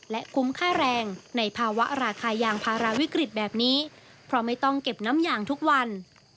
และคุ้มค่าแรงในภาวะราคายางภาระวิกฤตแบบนี้เพราะไม่ต้องเก็บน้ำยางทุกวัน